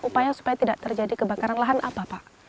upaya supaya tidak terjadi kebakaran lahan apa pak